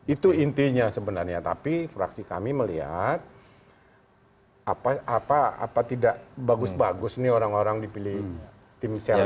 itu intinya sebenarnya tapi fraksi kami melihat apa tidak bagus bagus nih orang orang dipilih tim sel